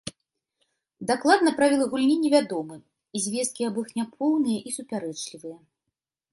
Дакладна правілы гульні невядомы, звесткі аб іх няпоўныя і супярэчлівыя.